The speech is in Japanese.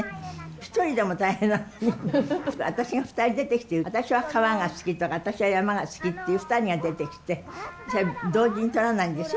１人でも大変なのに私が２人出てきて「私は川が好き」とか「私は山が好き」っていう２人が出てきて同時に撮らないんですよ。